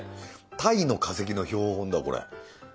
鯛の化石の標本だこれ。